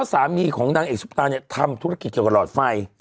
สามีของนางเอกซุปตาเนี่ยทำธุรกิจเกี่ยวกับหลอดไฟ